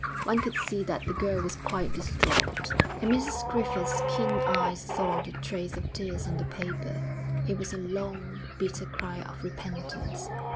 One could see that the girl was quite distraught, and Mrs Griffith's keen eyes saw the trace of tears on the paper.... It was a long, bitter cry of repentance.